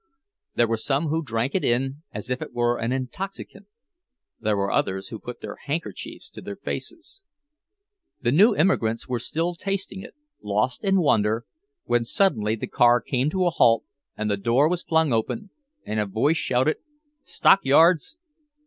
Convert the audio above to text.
There were some who drank it in as if it were an intoxicant; there were others who put their handkerchiefs to their faces. The new emigrants were still tasting it, lost in wonder, when suddenly the car came to a halt, and the door was flung open, and a voice shouted—"Stockyards!"